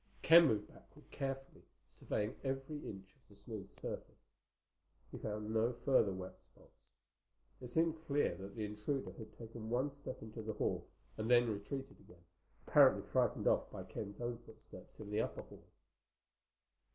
Ken moved backward carefully, surveying every inch of the smooth surface. He found no further wet spots. It seemed clear that the intruder had taken one step into the hall and then retreated again, apparently frightened off by Ken's own footsteps in the upper hall.